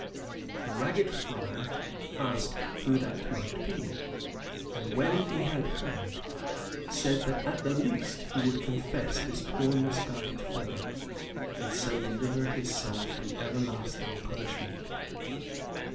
The ragged friar asked who that might be; and when he had heard, said that at the least he would confess this poor misguided fellow and so deliver his soul from everlasting punishment.